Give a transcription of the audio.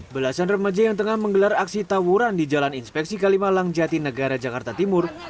belasan remaja yang tengah menggelar aksi tawuran di jalan inspeksi kalimalang jati negara jakarta timur